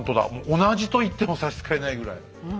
同じと言っても差し支えないぐらい。